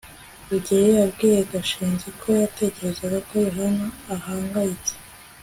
rugeyo yabwiye gashinzi ko yatekerezaga ko yohana ahangayitse